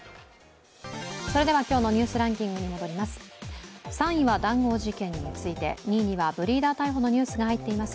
それでは今日の「ニュースランキング」に戻ります。